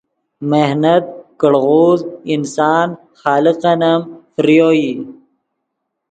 محنت کڑغوز انسان خالقن ام فریو ای